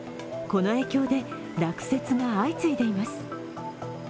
この影響で落雪が相次いでいます。